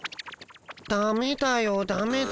ダメだよダメダメ。